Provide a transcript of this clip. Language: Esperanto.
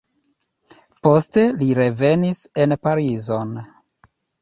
Poste li revenis en Parizon.